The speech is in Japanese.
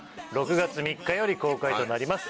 ６月３日より公開となります